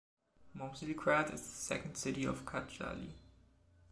Momčilgrad is the second city of Kărdžali.